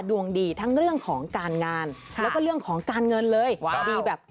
ดวงดีทั้งเรื่องของการงานแล้วก็เรื่องของการเงินเลยดีแบบ